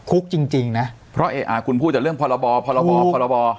จริงจริงนะเพราะคุณพูดแต่เรื่องพรบพรบพรบ